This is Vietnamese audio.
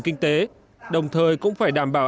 kinh tế đồng thời cũng phải đảm bảo